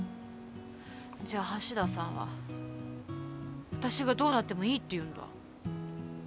じゃあ橋田さんは私がどうなってもいいって言うんだ。